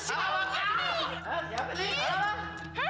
hah siapa nih